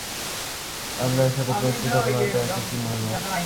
আমরা একসাথে প্রস্তুত হবো, নয়তো একাকী মরবো।